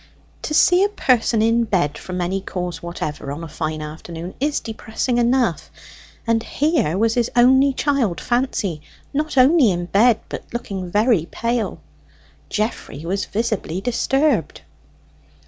To see a person in bed from any cause whatever, on a fine afternoon, is depressing enough; and here was his only child Fancy, not only in bed, but looking very pale. Geoffrey was visibly disturbed.